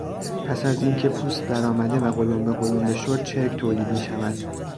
پس از اینکه پوست برآمده و قلنبه قلنبه شد چرک تولید میشود.